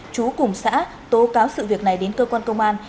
chú cùng xã tố cáo sự việc này đến cơ quan công an